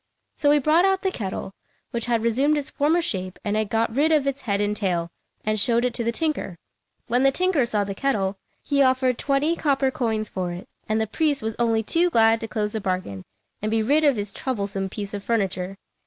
So he brought out the kettle, which had resumed its former shape and had got rid of its head and tail, and showed it to the tinker. When the tinker saw the kettle, he offered twenty copper coins for it, and the priest was only too glad to close the bargain and be rid of his troublesome piece of furniture.